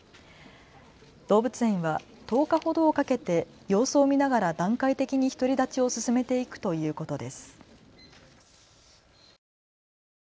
動物園は１０日ほどをかけて様子を見ながら段階的に独り立ちを進めていくということです。